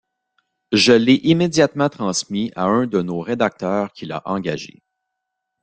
Je l'ai immédiatement transmis à un de nos rédacteurs qui l'a engagé.